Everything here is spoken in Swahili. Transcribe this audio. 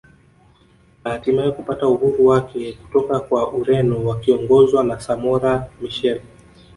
Na hatimaye kupata uhuru wake kutoka kwa Ureno wakiongozwa na Samora Michael